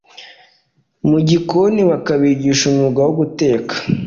mu gikoni bakabigisha umwuga wo guteka